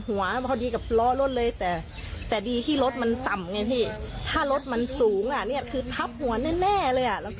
หัวพอดีกับล้อรถเลยแต่ดีที่รถมันต่ำไงพี่ถ้ารถมันสูงอ่ะเนี่ยคือทับหัวแน่เลยอ่ะ